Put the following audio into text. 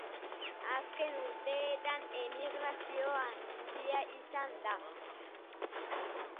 Azken urteetan emigrazio handia izan da.